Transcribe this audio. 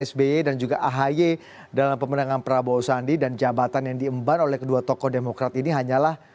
sby dan juga ahy dalam pemenangan prabowo sandi dan jabatan yang diemban oleh kedua tokoh demokrat ini hanyalah